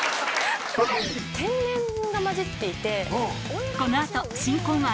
天然がまじっていて。